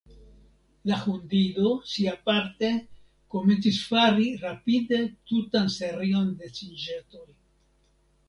La hundido, siaparte, komencis fari rapide tutan serion da sinĵetoj.